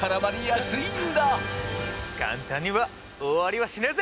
簡単には終わりはしねえぜ！